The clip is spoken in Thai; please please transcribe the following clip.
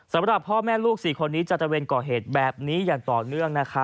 สำหรับพ่อแม่ลูก๔คนนี้จะตระเวนก่อเหตุแบบนี้อย่างต่อเนื่อง